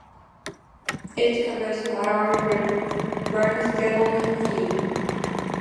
It covers part of Barnstable County.